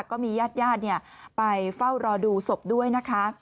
ก็มีญาติญาติไปเฝ้ารอดูศพด้วยนะคะ